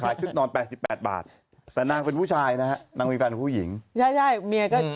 จะขายชุดนอน๘๘บาทแต่นางเป็นผู้ชายนะมีแฟนผู้หญิงแม่ก็